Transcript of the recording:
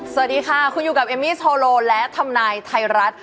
สวัสดีค่ะคุณอยู่กับเอมมี่โทโลและทำนายไทยรัฐ